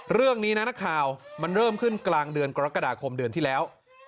เรื่องนี้นะนักข่าวมันเริ่มขึ้นกลางเดือนกรกฎาคมเดือนที่แล้ว